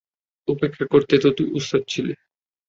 উপেক্ষা করতে তো তুই ওস্তাদ ছিলি।